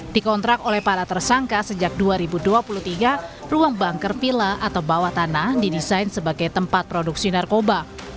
di kontrak oleh para tersangka sejak dua ribu dua puluh tiga ruang bunker vila atau bawah tanah didesain sebagai tempat produksi narkoba